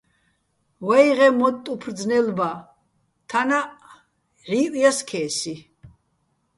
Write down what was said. ვეღეჼ მოტტ უფრო ძნელ ბა, თანაც, ჲჵივჸ ჲა სქესი.